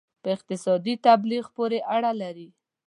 په اقتصادي تبلیغ پورې اړه لري.